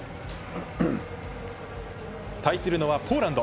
対するのはポーランド。